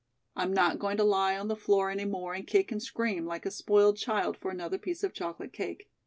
I'm not going to lie on the floor any more and kick and scream like a spoiled child for another piece of chocolate cake.